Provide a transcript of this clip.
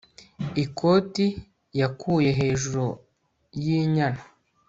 ikoti yakuye hejuru y'inyana